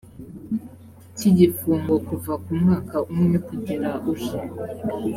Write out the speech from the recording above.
cy igifungo kuva ku mwaka umwe kugera uje